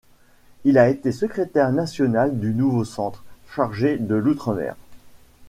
Il a été secrétaire national du Nouveau Centre, chargé de l'outre-mer.